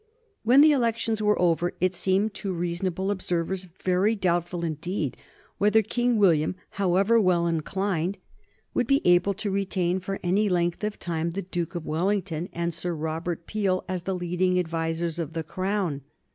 When the elections were over it seemed to reasonable observers very doubtful indeed whether King William, however well inclined, would be able to retain for any length of time the Duke of Wellington and Sir Robert Peel as the leading advisers of the Crown.